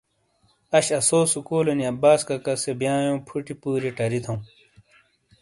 اش آسو سکولینی عباس ککاسے بیائنیوں پھوٹیے پوری ٹری تھوں۔